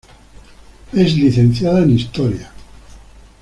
Es licenciada en Historia.